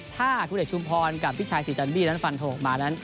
ถ้าคุณเอกชุมพรกับพี่ชายศรีจันบี้นั้นฟันโทรออกมานั้น